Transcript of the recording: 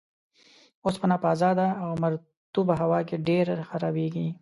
اوسپنه په ازاده او مرطوبه هوا کې ډیر خرابیږي.